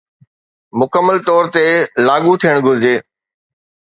مڪمل طور تي لاڳو ٿيڻ گهرجي